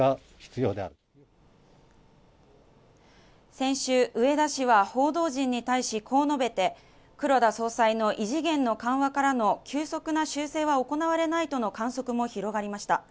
先週植田氏は報道陣に対しこう述べて黒田総裁の異次元の緩和からの急速な修正は行われないとの観測も広がりました